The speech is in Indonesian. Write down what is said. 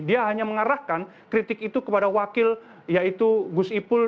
dia hanya mengarahkan kritik itu kepada wakil yaitu gus ipul